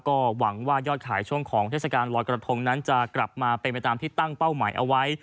ก็หวังว่ายอดขายช่วงของเทศกาลลอยกระทงนั้นจะกลับมาเป็นไปตามที่ตั้งเป้าหมายเอาไว้